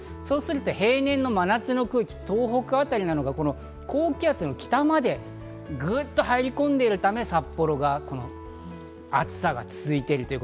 平年の真夏の空気、東北あたりなのが高気圧の北までグッと入り込んでいるため、札幌は暑さが続いている。